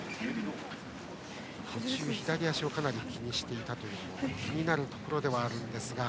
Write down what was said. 左足をかなり気にしていたというところが気になるところではあるんですが。